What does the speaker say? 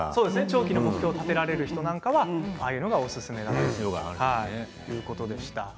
長期の目標を立てられる人は、ああいうのはおすすめだということでした。